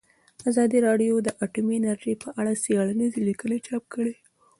ازادي راډیو د اټومي انرژي په اړه څېړنیزې لیکنې چاپ کړي.